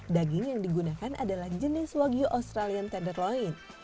daging yang digunakan adalah jenis wagyu australian tenderloin